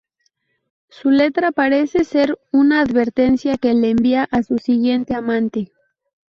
Su letra parece ser una advertencia que le envía a su siguiente amante.